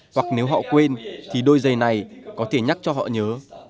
hoặc nếu họ quên thì đôi giày này có thể nhắc cho họ nhớ